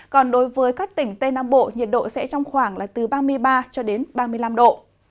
còn đối với các tỉnh tây nam bộ nhiệt độ sẽ trong khoảng là từ ba mươi ba cho đến ba mươi năm độ